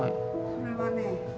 それはね